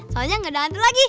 soalnya gak ada nanti lagi